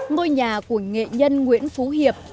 ngôi nhà của nghệ nhân nguyễn phú hiệp